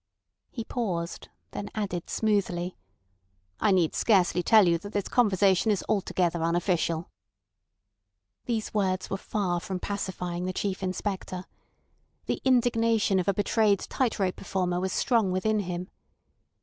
He paused, then added smoothly: "I need scarcely tell you that this conversation is altogether unofficial." These words were far from pacifying the Chief Inspector. The indignation of a betrayed tight rope performer was strong within him.